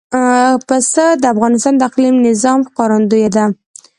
پسه د افغانستان د اقلیمي نظام ښکارندوی ده.